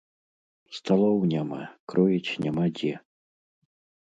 Сталоў няма, кроіць няма дзе.